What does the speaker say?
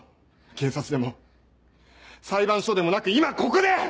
警察でも裁判所でもなく今ここで！